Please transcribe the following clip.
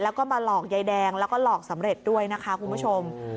แล้วก็มาหลอกยายแดงแล้วก็หลอกสำเร็จด้วยนะคะคุณผู้ชม